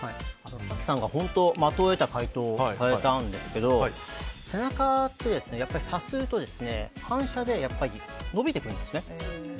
早紀さんが本当的を射た回答をされたんですが背中ってさすると反射で伸びてくるんですね。